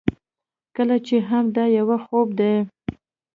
که څه هم دا یو خوب دی،